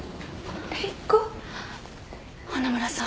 花村さん。